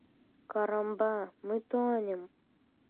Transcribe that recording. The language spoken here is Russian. Карамба! Мы тонем!